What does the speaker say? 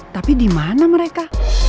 tapi dimana mereka